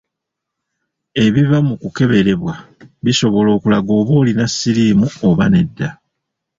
Ebiva mu kukeberebwa bisobola okulaga oba ng’olina siriimu oba nedda.